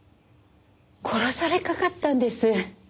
殺されかかったんです。